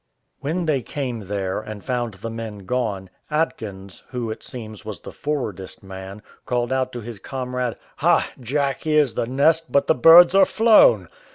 When they came there, and found the men gone, Atkins, who it seems was the forwardest man, called out to his comrade, "Ha, Jack, here's the nest, but the birds are flown."